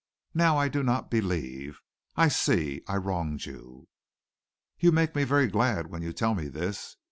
Now I do not believe. I see I wronged you." "You make me very glad when you tell me this.